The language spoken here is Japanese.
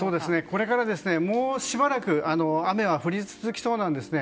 これから、もうしばらく雨は降り続きそうなんですね。